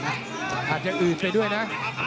อาจจะอืดไปด้วยนะ